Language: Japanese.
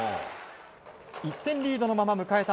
１点リードのまま迎えた